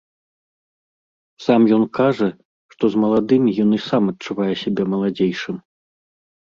Сам ён кажа, што з маладымі ён і сам адчувае сябе маладзейшым.